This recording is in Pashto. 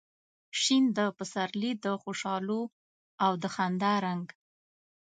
شین د سپرلي د خوشحالو او د خندا رنګ